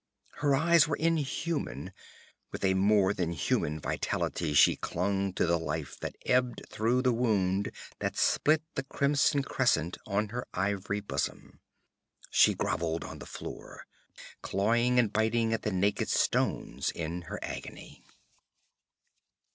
Her eyes were inhuman; with a more than human vitality she clung to the life that ebbed through the wound that split the crimson crescent on her ivory bosom. She groveled on the floor, clawing and biting at the naked stones in her agony.